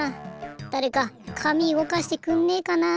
だれか紙うごかしてくんねえかな。